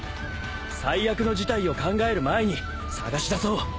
最悪の事態を考える前に捜し出そう。